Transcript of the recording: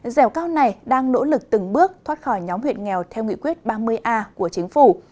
dẻo cao này đang nỗ lực từng bước thoát khỏi nhóm huyện nghèo theo nghị quyết ba mươi a của chính phủ